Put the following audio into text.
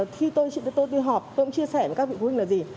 khi tôi đi họp tôi cũng chia sẻ với các vị phụ huynh là gì